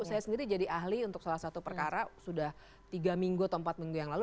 saya sendiri jadi ahli untuk salah satu perkara sudah tiga minggu atau empat minggu yang lalu